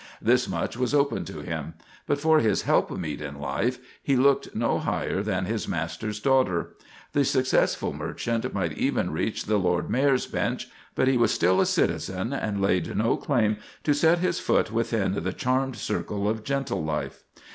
This much was open to him; but for his helpmeet in life he looked no higher than his master's daughter. The successful merchant might even reach the Lord Mayor's bench, but he was still a citizen, and laid no claim to set his foot within the charmed circle of gentle life.